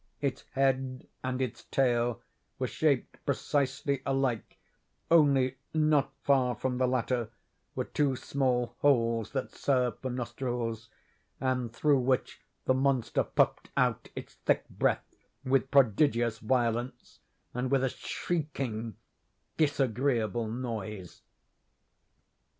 Its head and its tail were shaped precisely alike, only, not far from the latter, were two small holes that served for nostrils, and through which the monster puffed out its thick breath with prodigious violence, and with a shrieking, disagreeable noise.